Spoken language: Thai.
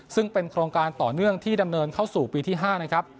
ซึ่งเป็นโครงการต่อเนื่องที่ดำเนินเข้าสู่ปีที่๕นะครับ